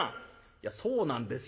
「いや『そうなんですよ』じゃない。